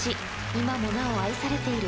今もなお愛されている